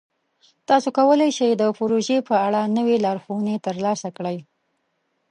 تاسو کولی شئ د پروژې په اړه نوې لارښوونې ترلاسه کړئ.